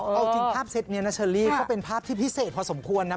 เอาจริงภาพเซ็ตนี้นะเชอรี่ก็เป็นภาพที่พิเศษพอสมควรนะ